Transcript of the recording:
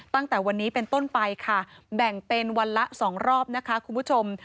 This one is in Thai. ตั้งแต่วันนี้เป็นต้นไปค่ะแบ่งเป็นวันละ๒รอบนะคะคุณผู้ชม